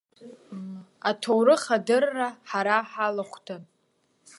Аҭоурых адырра ҳара ҳалахәдан.